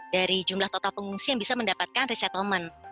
dari jumlah total pengungsi yang bisa mendapatkan resettlement